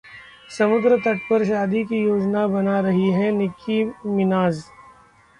समुद्र तट पर शादी की योजना बना रही हैं निक्की मिनाज